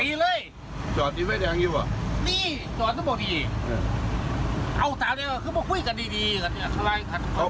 นี่จอดเต้นพอดีเอาตามแน่ว่าคุยกันดีกัน